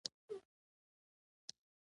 هغه وویل چې لاړ شه او ناروغ جرمنی اسیر وګوره